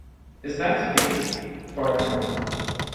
Is that to be — for ever?